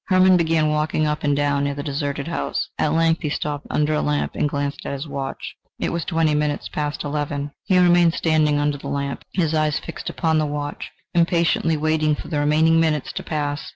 Hermann began walking up and down near the deserted house; at length he stopped under a lamp, and glanced at his watch: it was twenty minutes past eleven. He remained standing under the lamp, his eyes fixed upon the watch, impatiently waiting for the remaining minutes to pass.